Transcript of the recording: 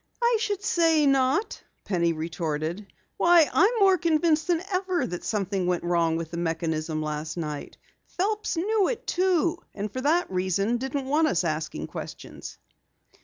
"I should say not!" Penny retorted. "Why, I'm more convinced than ever that something went wrong with the mechanism last night. Phelps knew it too, and for that reason didn't want us asking questions!"